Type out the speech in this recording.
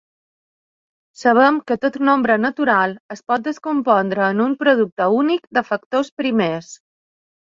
Sabem que tot nombre natural es pot descompondre en un producte únic de factors primers.